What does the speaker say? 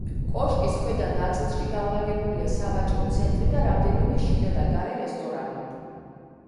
კოშკის ქვედა ნაწილში განლაგებულია სავაჭრო ცენტრი და რამდენიმე შიდა და გარე რესტორანი.